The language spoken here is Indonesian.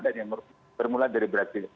dan yang bermula dari brazil